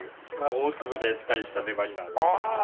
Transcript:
大粒でしっかりした粘りのあるお米ですね。